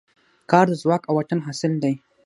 کار د ځواک او واټن حاصل دی.